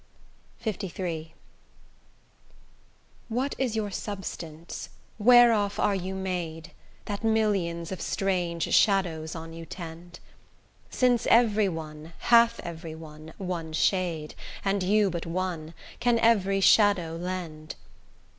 LIII What is your substance, whereof are you made, That millions of strange shadows on you tend? Since every one, hath every one, one shade, And you but one, can every shadow lend.